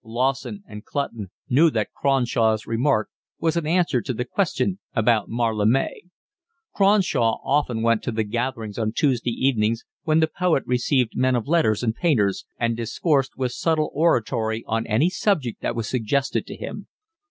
Lawson and Clutton knew that Cronshaw's remark was an answer to the question about Mallarme. Cronshaw often went to the gatherings on Tuesday evenings when the poet received men of letters and painters, and discoursed with subtle oratory on any subject that was suggested to him.